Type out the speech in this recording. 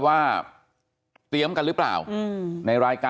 ได้หมดเลยน่ะครับ